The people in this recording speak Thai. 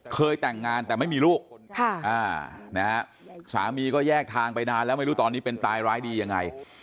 เคยแต่งงานแต่ไม่มีลูกสามีก็แยกทางไปนานแล้วไม่รู้ตอนนี้เป็นตายร้ายดียังไง